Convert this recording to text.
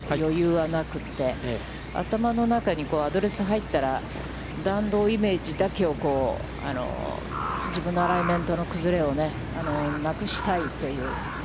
選手からすると、遠くの町並みを見る余裕はなくて、頭の中にアドレスに入ったら、弾道イメージだけを、自分のアライメントの崩れをなくしたいという。